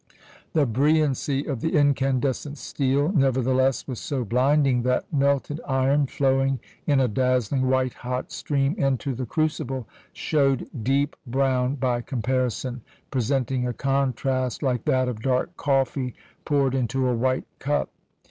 The brilliancy of the incandescent steel, nevertheless, was so blinding, that melted iron, flowing in a dazzling white hot stream into the crucible, showed "deep brown by comparison, presenting a contrast like that of dark coffee poured into a white cup."